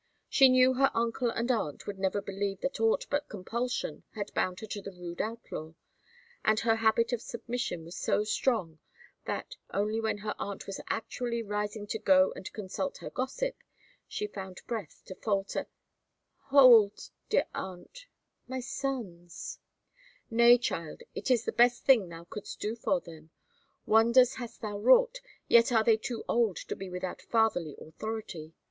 She knew her uncle and aunt would never believe that aught but compulsion had bound her to the rude outlaw, and her habit of submission was so strong that, only when her aunt was actually rising to go and consult her gossip, she found breath to falter, "Hold, dear aunt—my sons—" "Nay, child, it is the best thing thou couldst do for them. Wonders hast thou wrought, yet are they too old to be without fatherly authority.